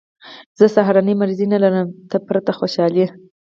زه سهارنۍ مریضي نه لرم، ته پرې خوشحاله یې.